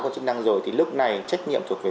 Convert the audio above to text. cơ chức năng rồi thì lúc này trách nhiệm thuộc về